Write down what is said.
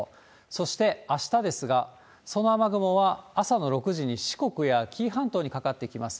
そしてあしたですが、その雨雲は朝の６時に四国や紀伊半島にかかってきます。